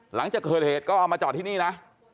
หลังจากเกิดเหตุก็เอามาจอดที่นี่นะ